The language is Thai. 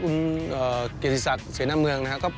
คุณเกษศัตริย์เสน่ห์เมืองนะครับ